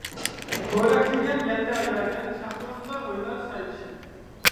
پورەكلىگەن يەتتە ھاياجان، شاخلىرىڭدا ئوينار سايرىشىپ.